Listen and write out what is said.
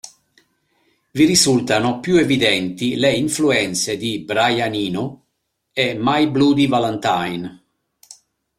Vi risultano più evidenti le influenze di Brian Eno e My Bloody Valentine.